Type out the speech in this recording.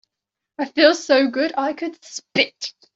I feel so good I could spit.